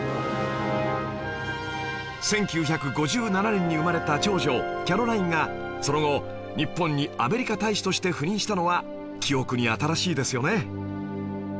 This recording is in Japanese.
１９５７年に生まれた長女キャロラインがその後日本にアメリカ大使として赴任したのは記憶に新しいですよね